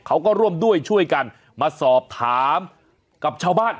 เขาก็ร่วมด้วยช่วยกันมาสอบถามกับชาวบ้าน